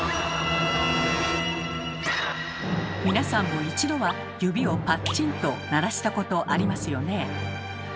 皆さんも一度は指をパッチンと鳴らしたことありますよね？